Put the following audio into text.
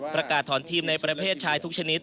ประกาศถอนทีมในประเภทชายทุกชนิด